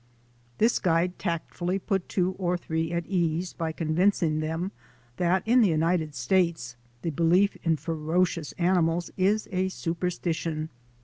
This guide tactfully put two or three at ease by convincing them that in the United States the belief in ferocious animals is a superstition.